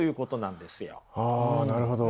あなるほど。